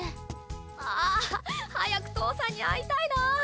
あぁ早く父さんに会いたいな。